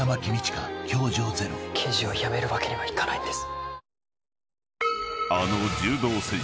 刑事をやめるわけにはいかないんです。